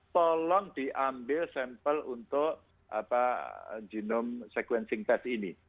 tolong diambil sampel untuk genome sequencing test ini